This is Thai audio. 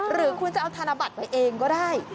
หรือคุณจะเอาธนบัตรไปเองก็ได้